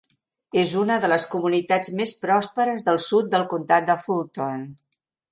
És una de les comunitats més pròsperes del sud del comtat de Fulton.